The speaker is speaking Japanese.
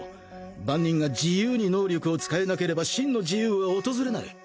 万人が自由に能力を使えなければ真の自由は訪れない。